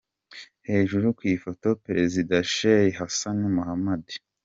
Hejuru ku ifoto : Perezida Sheikh Hassan Mohamud.